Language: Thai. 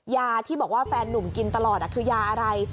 ยาที่บอกว่าแฟนนุ่มกินตลอดคือยาอะไร